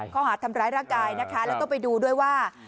ข้อหาดทำร้ายร่างกายนะคะแล้วก็ไปดูด้วยว่า